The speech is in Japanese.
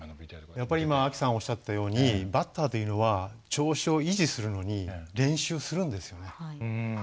やっぱり今ＡＫＩさんおっしゃったようにバッターというのは調子を維持するのに練習するんですよね。